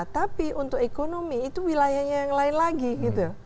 tapi untuk ekonomi itu wilayahnya yang lain lagi gitu